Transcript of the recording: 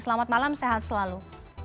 selamat malam sehat selalu